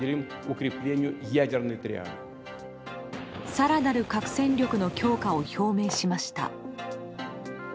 更なる核戦力の強化を表明しました。